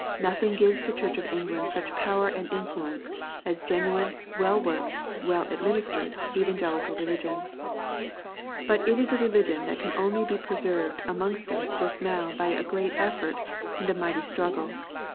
Nothing gives the Church of England such power and influence as genuine, well worked, well administered Evangelical Religion. But it is a religion that can only be preserved amongst us just now by a great effort, and a mighty struggle.